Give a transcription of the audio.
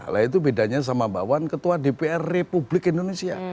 nah itu bedanya sama mbak wan ketua dpr republik indonesia